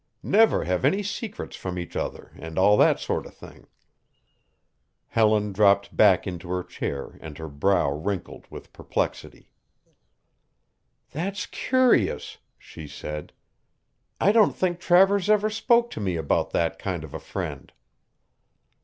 Never have any secrets from each other and all that sort of thing." Helen dropped back into her chair and her brow wrinkled with perplexity. "That's curious," she said. "I don't think Travers ever spoke to me about that kind of a friend."